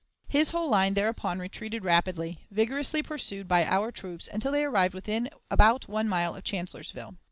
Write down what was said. His whole line thereupon retreated rapidly, vigorously pursued by our troops until they arrived within about one mile of Chancellorsville.